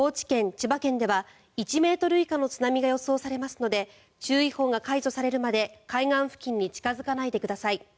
千葉県では１ｍ以下の津波が予想されますので注意報が解除されるまで海岸付近に近付かないでください。